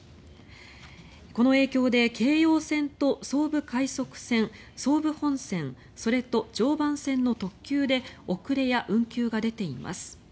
この影響で京葉線と総武快速線、総武本線それと常磐線の特急で遅れや運休が出ています。